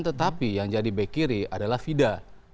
tetapi yang jadi back kiri adalah fida